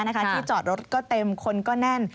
ที่จอดรถก็เต็มคนก็แน่น